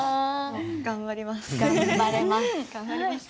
頑張ります。